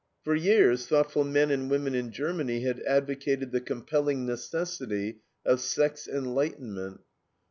For years thoughtful men and women in Germany had advocated the compelling necessity of sex enlightenment.